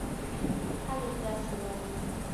خلک داسې وایي: